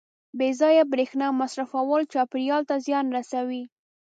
• بې ځایه برېښنا مصرفول چاپېریال ته زیان رسوي.